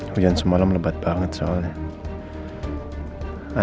hujan semalam lebat banget soalnya